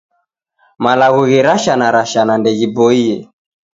Malagho gherashanarashana ndeghiboie.